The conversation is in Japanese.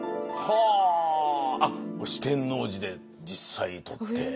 これ四天王寺で実際撮って。